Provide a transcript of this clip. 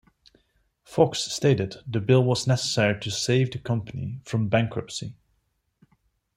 Fox stated the bill was necessary to save the company from bankruptcy.